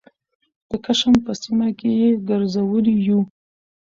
د کشم په سیمه کې یې ګرځولي یوو